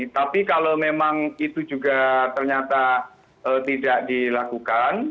tapi kalau memang itu juga ternyata tidak dilakukan